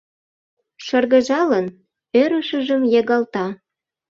Шыргыжалын, ӧрышыжым йыгалта.